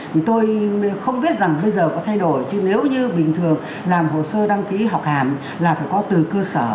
thì tôi không biết rằng bây giờ có thay đổi chứ nếu như bình thường làm hồ sơ đăng ký học hàm là phải có từ cơ sở